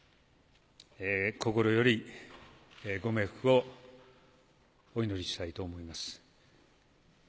心よりご冥福をお祈りしたいと思います。